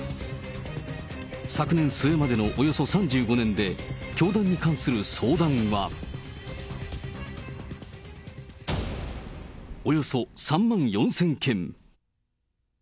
昨年末までのおよそ３５年で、教団に関する相談は、およそ３万４０００件。